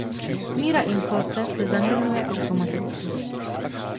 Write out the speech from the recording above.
Míra inflace se zahrnuje automaticky.